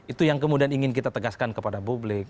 itu yang kemudian ingin kita tegaskan kepada publik